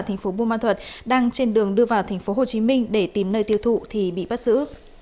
thành phố buôn ma thuật đang trên đường đưa vào thành phố hồ chí minh để tìm nơi tiêu thụ thì bị bắt giữ